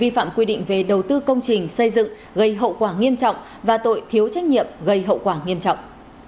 phạm quy định về đầu tư công trình xây dựng gây hậu quả nghiêm trọng và tội thiếu trách nhiệm gây hậu quả nghiêm trọng